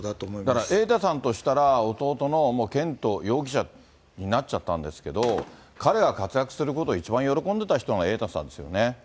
だから瑛太さんとしたら、弟の絢斗容疑者になっちゃったんですけど、彼が活躍すること、一番喜んでた人が瑛太さんですよね。